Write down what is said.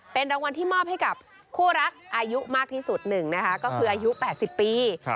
เป็นรางวัลที่มอบให้กับคู่รักอายุมากที่สุด๑นะคะก็คืออายุ๘๐ปี